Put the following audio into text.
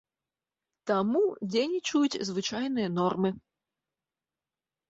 Таму дзейнічаюць звычайныя нормы.